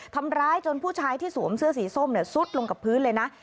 ทำร้ายจนผู้ชายที่สวมเสื้อสีส้มซุดลงกับพื้นเลยนะ